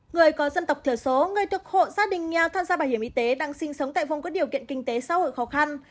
người có dân tộc thiểu số người thuộc hộ gia đình nghèo tham gia bảo hiểm y tế đang sinh sống tại vùng có điều kiện kinh tế xã hội khó khăn